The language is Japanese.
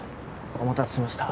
お待たせしました